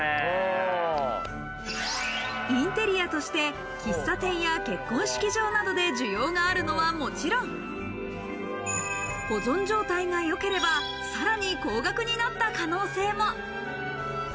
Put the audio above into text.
インテリアとして喫茶店や結婚式場などで需要があるのはもちろん、保存状態がよければ、さらに高額になった可能性も。